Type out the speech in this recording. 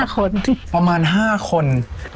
๕คนประมาณ๕คน